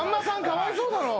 かわいそうだろ。